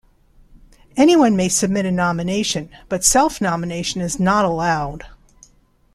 Anyone may submit a nomination, but self-nomination is not allowed.